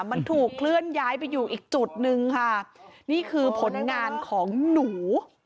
มันถูกเคลื่อนย้ายไปอยู่อีกจุดนึงค่ะนี่คือผลงานของหนู